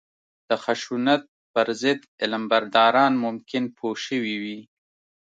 د خشونت پر ضد علمبرداران ممکن پوه شوي وي